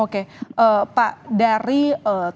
oke pak dari